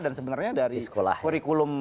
dan sebenarnya dari kurikulum